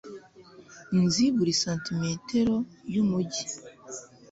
nzi buri santimetero yumujyi